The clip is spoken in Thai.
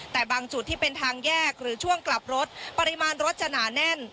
แต่บางจุดที่เป็นทางแยกหรือช่วงกลับรถปริมาณรถจะหนาแน่น